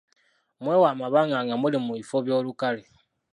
Mwewe amabanga nga muli mu bifo by'olukale.